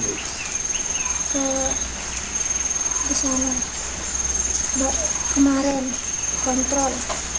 ke sana kemarin kontrol